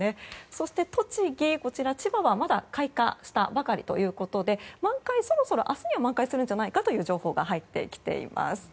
そして栃木、こちら千葉はまだ開花したばかりということでそろそろ明日には満開するんじゃないかという情報が入っています。